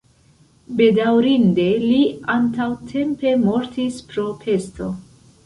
Bedaŭrinde li antaŭtempe mortis pro pesto.